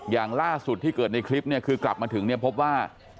อย่างล่าสุดที่เกิดในคลิปเนี่ยคือกลับมาถึงเนี่ยพบว่า